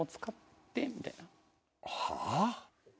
はあ？